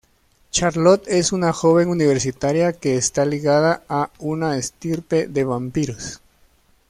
Charlotte es una joven universitaria que está ligada a una estirpe de vampiros.